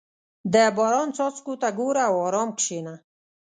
• د باران څاڅکو ته ګوره او ارام کښېنه.